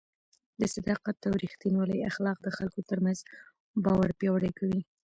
د صداقت او رښتینولۍ اخلاق د خلکو ترمنځ باور پیاوړی کوي.